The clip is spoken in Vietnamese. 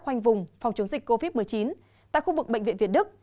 khoanh vùng phòng chống dịch covid một mươi chín tại khu vực bệnh viện việt đức